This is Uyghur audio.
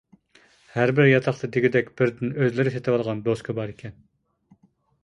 ھەربىر ياتاقتا دېگۈدەك بىردىن ئۆزلىرى سېتىۋالغان دوسكا باركەن.